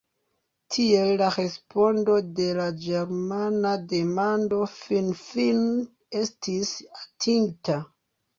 Tiel la respondo de la germana demando finfine estis atingita.